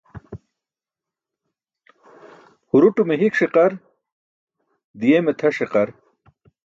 Huruṭume hik ṣiqar, di̇yeme tʰa ṣiqar.